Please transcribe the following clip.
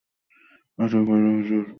পাঠান কহিল, হুজুর, কী করিয়া যাইব?